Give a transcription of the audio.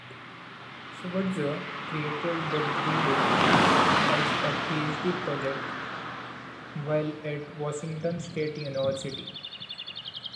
Schweitzer created the relay as a Ph.D. project while at Washington State University.